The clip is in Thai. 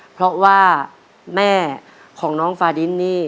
เพราะว่าแม่ของน้องฟาดินนี่